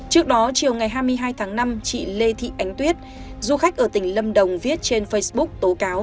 trước đó chiều ngày hai mươi hai tháng năm chị lê thị ánh tuyết du khách ở tỉnh lâm đồng viết trên facebook tố cáo